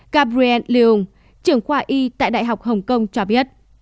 gabriel leung trưởng khoa y tại đại học hồng kông cho biết